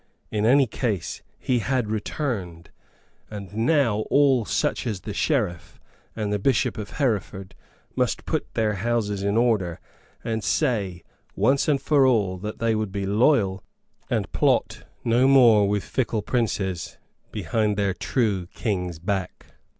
In any case, he had returned, and now all such as the Sheriff and the Bishop of Hereford must put their houses in order, and say, once and for all, that they would be loyal and faithful and plot no more with fickle princes behind their true King's back.